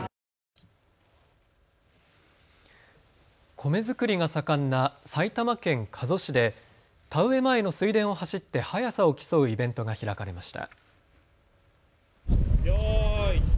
米作りが盛んな埼玉県加須市で田植え前の水田を走って速さを競うイベントが開かれました。